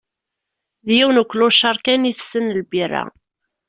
D yiwen uklucaṛ kan itessen lbira.